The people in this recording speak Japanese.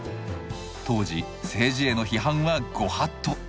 当時政治への批判はご法度。